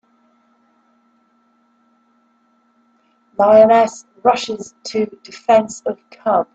Lioness Rushes to Defense of Cub.